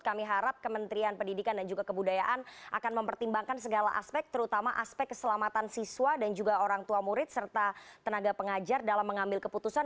kami harap kementerian pendidikan dan juga kebudayaan akan mempertimbangkan segala aspek terutama aspek keselamatan siswa dan juga orang tua murid serta tenaga pengajar dalam mengambil keputusan